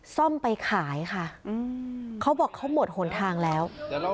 ซ่อมไปขายค่ะเขาบอกเขาหมดหนทางแล้ว